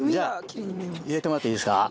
入れてもらっていいですか？